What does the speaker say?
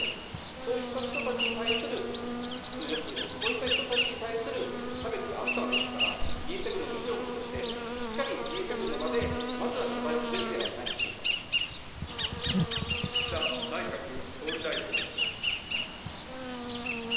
そうした人たちに対する屈辱、そうした人たちに対する差別があったわけですから、Ｇ７の議長国として、しっかりＧ７の場で、まずは謝罪をすべきではな岸田内閣総理大臣。